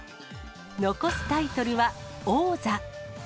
残すタイトルは王座。